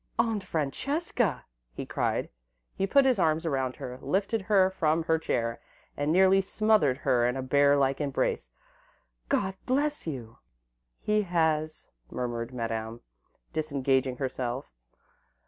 "Aunt Francesca!" he cried. He put his arms around her, lifted her from her chair, and nearly smothered her in a bear like embrace. "God bless you!" "He has," murmured Madame, disengaging herself.